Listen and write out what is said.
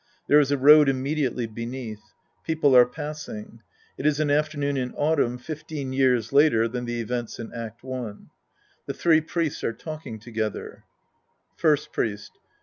There is a road immediately beneath. People are passing. It is an afternoon in autumn fifteen years later than the events in Act I. The three Priests are talking together^ First Priest.